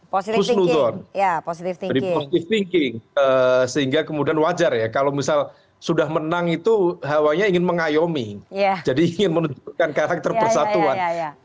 positive thinking ya positive thinking sehingga kemudian wajar ya kalau misal sudah menang itu hawanya ingin mengayomi jadi ingin menunjukkan karakter persatuan